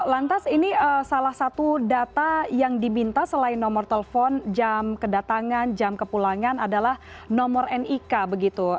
lantas ini salah satu data yang diminta selain nomor telepon jam kedatangan jam kepulangan adalah nomor nik begitu